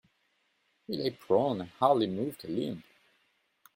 He lay prone and hardly moved a limb.